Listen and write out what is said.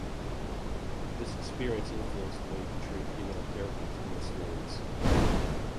This experience influenced the way he portrayed female characters in his stories.